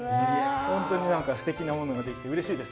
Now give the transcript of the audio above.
本当にすてきなものができてうれしいです。